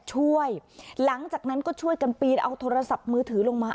ช่วยหลังจากนั้นก็ช่วยกันปีนเอาโทรศัพท์มือถือลงมา